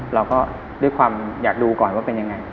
เราก็ด้วยความอยากดูก่อนว่าเป็นยังไง